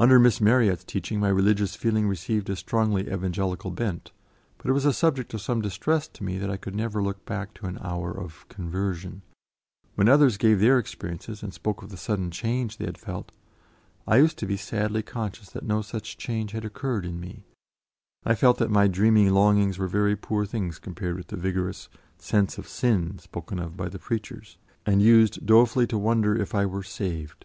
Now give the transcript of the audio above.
Under Miss Marryat's training my religious feeling received a strongly Evangelical bent, but it was a subject of some distress to me that I could never look back to an hour of "conversion"; when others gave their experiences, and spoke of the sudden change they had felt, I used to be sadly conscious that no such change had occurred in me, and I felt that my dreamy longings were very poor things compared with the vigorous "sense of sin" spoken of by the preachers, and used dolefully to wonder if I were "saved."